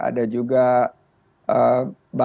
ada juga grand prix of indonesia